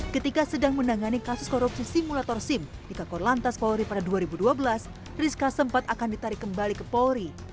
ketika sedang menangani kasus korupsi simulator sim di kakor lantas polri pada dua ribu dua belas rizka sempat akan ditarik kembali ke polri